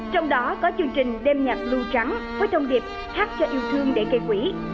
trong đó có chương trình đem nhạc lưu trắng với thông điệp hát cho yêu thương để gây quỷ